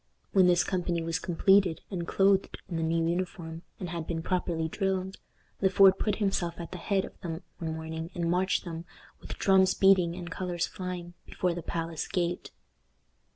When this company was completed, and clothed in the new uniform, and had been properly drilled, Le Fort put himself at the head of them one morning, and marched them, with drums beating and colors flying, before the palace gate.